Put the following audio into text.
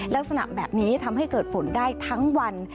ลักษณะแบบนี้ทำให้เกิดฝนได้ทั้งวัน